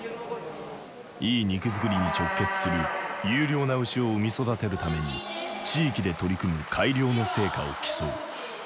いい肉づくりに直結する優良な牛を産み育てるために地域で取り組む改良の成果を競う。